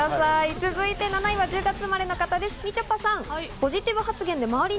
続いて７位は１０月生まれの方、みちょぱさん。